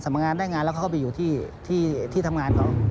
งานได้งานแล้วเขาก็ไปอยู่ที่ทำงานเขา